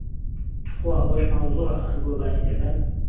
توخوا ئەوەش مەوزوعە ئەنگۆ باسی دەکەن.